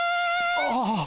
ああ。